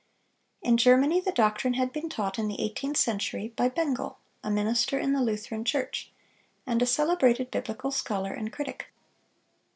In Germany the doctrine had been taught in the eighteenth century by Bengel, a minister in the Lutheran Church, and a celebrated biblical scholar and critic.